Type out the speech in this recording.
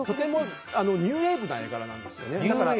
ニューウェーブな絵柄なんですよね。